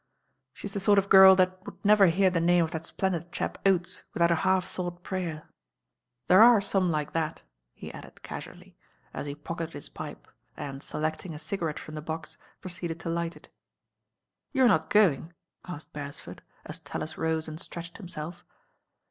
She's the sort of girl that would never hear the name of that splendid chap Gates without a half thought prayer. There are some like that," he added cas ually, as he pocketed his pipe and, selecting a ciga rette from the box, proceeded to light it. "You're not going?" asked Beresford, as Tallis rose and stretched himself.